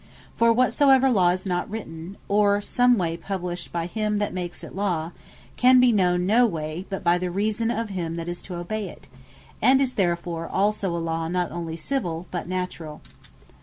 For whatsoever Law is not written, or some way published by him that makes it Law, can be known no way, but by the reason of him that is to obey it; and is therefore also a Law not only Civill, but Naturall.